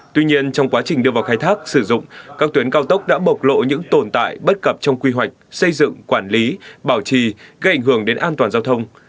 tuy nhiên trong quá trình đưa vào khai thác sử dụng các tuyến cao tốc đã bộc lộ những tồn tại bất cập trong quy hoạch xây dựng quản lý bảo trì gây ảnh hưởng đến an toàn giao thông